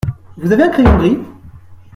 Vous avez un crayon gris ?